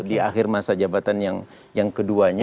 di akhir masa jabatan yang keduanya